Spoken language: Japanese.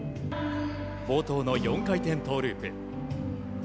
冒頭の４回転トウループ。